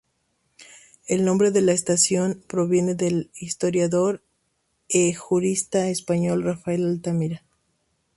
El nombre de la estación proviene del historiador e jurista español Rafael Altamira.